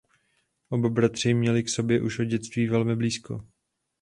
Oba bratři měli k sobě už od dětství velmi blízko.